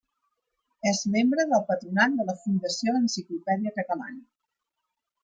És membre del patronat de la Fundació Enciclopèdia Catalana.